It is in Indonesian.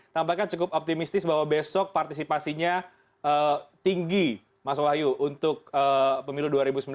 tampaknya cukup optimistis bahwa besok partisipasinya tinggi mas wahyu untuk pemilu dua ribu sembilan belas